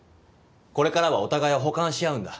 これからはお互いを補完し合うんだ。